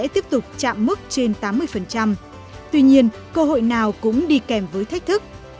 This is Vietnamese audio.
tuy nhiên cơ hội nào cũng đi kèm với thách thức